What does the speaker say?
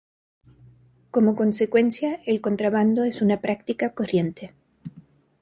Como consecuencia, el contrabando es una práctica corriente.